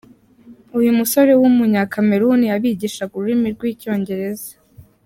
Uyu musore w’ Umunya cameroun yabigishaga ururimi rw’ Icyongereza.